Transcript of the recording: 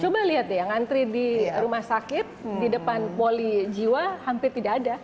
coba lihat deh yang ngantri di rumah sakit di depan poli jiwa hampir tidak ada